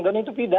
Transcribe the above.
dan itu pidana